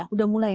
udah mulai ya